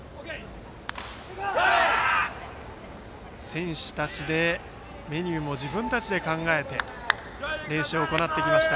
選手たちでメニューも自分たちで考えて練習を行ってきました。